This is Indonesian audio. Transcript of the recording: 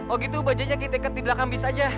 oh gitu bajanya kita ikat di belakang bis aja